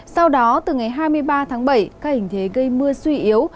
sau đó từ ngày hai mươi ba tháng bảy các hình thế gây mưa suy yếu